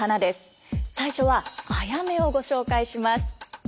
最初は「あやめ」をご紹介します。